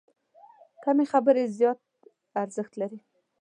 کمې خبرې، زیات ارزښت لري.